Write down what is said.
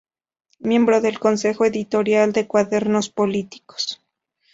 Miembro del consejo editorial de "Cuadernos Políticos".